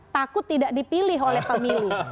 takut tidak dipilih oleh pemilu